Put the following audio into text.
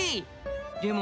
でも